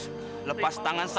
saya itu pusing sama kamu gustaf